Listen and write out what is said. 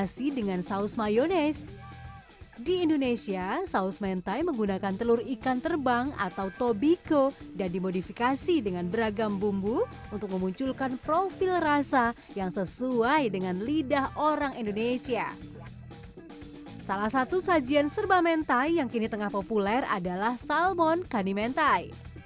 salah satu sajian serba mentai yang kini tengah populer adalah salmon kani mentai